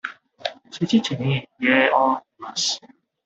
七時に家を出ます。